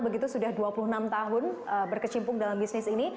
begitu sudah dua puluh enam tahun berkecimpung dalam bisnis ini